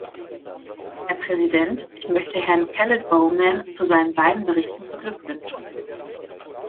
Herr Präsident, ich möchte Herrn Kellet-Bowman zu seinen beiden Berichten beglückwünschen.